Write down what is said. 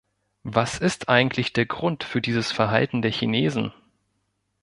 Was ist eigentlich der Grund für dieses Verhalten der Chinesen?